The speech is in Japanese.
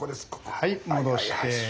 はい戻して。